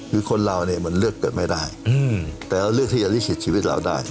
คือคนเราเนี่ยมันเลือกเกิดไม่ได้แต่เราเลือกที่จะลิขิตชีวิตเราได้